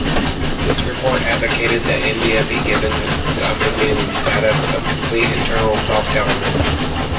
This report advocated that India be given dominion status of complete internal self-government.